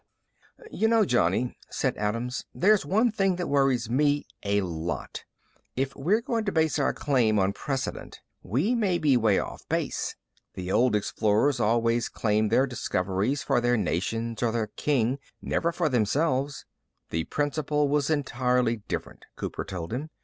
"You know, Johnny," said Adams, "there's one thing that worries me a lot. If we're going to base our claim on precedent, we may be way off base. The old explorers always claimed their discoveries for their nations or their king, never for themselves." "The principle was entirely different," Cooper told him.